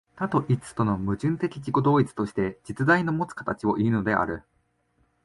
多と一との矛盾的自己同一として、実在のもつ形をいうのである。